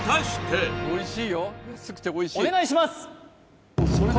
お願いします